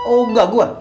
oh gak gue